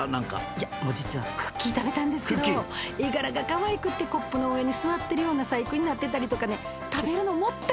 いやもう実はクッキー食べたんですけど絵柄がかわいくってコップの上に座ってるような細工になってたりとかね食べるのもったいないぐらい。